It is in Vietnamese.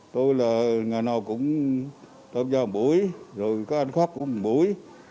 tôi là ngày nào cũng tôm dao một bụi rồi có anh khóc cũng một bụi